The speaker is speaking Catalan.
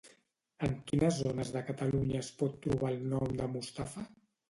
En quines zones de Catalunya es pot trobar el nom de Mustapha?